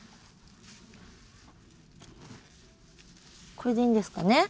これでいいんですかね？